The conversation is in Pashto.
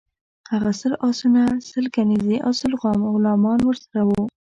هغه سل آسونه، سل کنیزي او سل غلامان ورسره وه.